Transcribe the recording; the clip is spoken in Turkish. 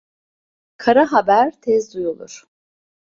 Kara haber tez duyulur.